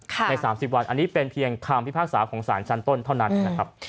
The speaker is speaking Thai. ใน๓๐วันอันนี้เป็นเพียงคำพิพากษาของสารชั้นต้นเท่านั้นนะครับ